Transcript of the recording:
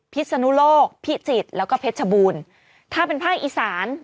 พิศนุโลกพิจิตรแล้วก็เพชรชบูรณ์ถ้าเป็นภาคอีสาน